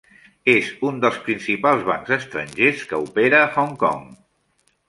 És un dels principals bancs estranger que opera a Hong Kong.